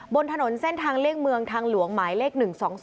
บนถนนเส้นทางเลี่ยงเมืองทางหลวงหมายเลข๑๒๒